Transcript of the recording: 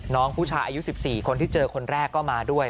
น้องผู้ชายอายุ๑๔คนที่เจอคนแรกก็มาด้วย